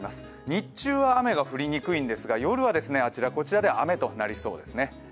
日中は雨が降りにくいんですが夜はあちらこちらで雨となりそうですね。